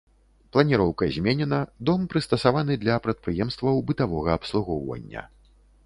Планіроўка зменена, дом прыстасаваны для прадпрыемстваў бытавога абслугоўвання.